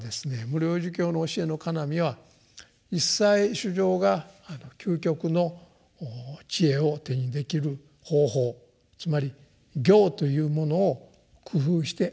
「無量寿経」の教えの要は一切衆生が究極の智慧を手にできる方法つまり「行」というものを工夫して与えたという点です。